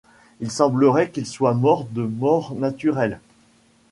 Il semblerait qu'il soit mort de mort naturelle.